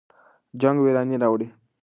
جنګ ویراني راوړي.